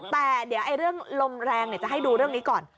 แต่เดี๋ยวเรื่องลมแรงจะให้ดูเรื่องนี้ก่อน